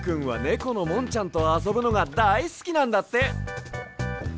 このもんちゃんとあそぶのがだいすきなんだって。